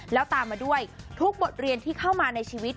แล้วตามมาด้วยทุกบทเรียนที่เข้ามาในชีวิต